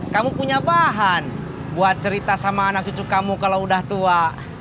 kamu punya bahan buat cerita sama anak cucu kamu kalau udah tua